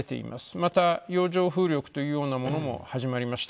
また、洋上風力というようなものも始まりました。